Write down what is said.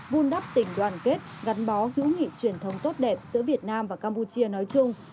vun đắp tình đoàn kết gắn bó hữu nghị truyền thống tốt đẹp giữa việt nam và campuchia nói chung